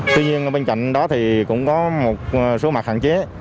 tuy nhiên bên cạnh đó thì cũng có một số mặt hạn chế